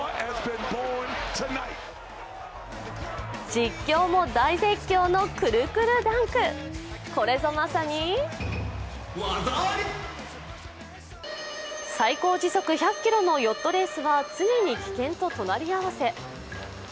実況も大絶叫のくるくるダンク、これぞまさに最高時速１００キロのヨットレースは常に危険と隣り合わせ。